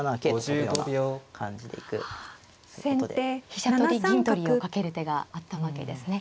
飛車取り銀取りをかける手があったわけですね。